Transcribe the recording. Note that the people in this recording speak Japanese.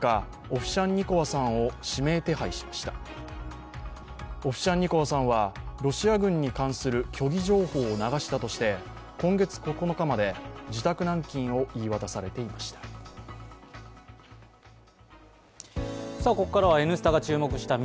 オフシャンニコワさんはロシア軍に関する虚偽情報を流したとして今月９日まで自宅軟禁を言い渡されていました。